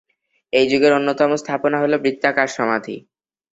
এই যুগের অন্যতম স্থাপনা হল বৃত্তাকার সমাধি।